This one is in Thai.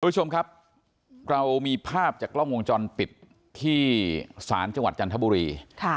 คุณผู้ชมครับเรามีภาพจากกล้องวงจรปิดที่ศาลจังหวัดจันทบุรี